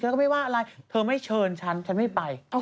ก็ไม่ว่าอะไรเธอไม่เชิญฉันฉันไม่ไป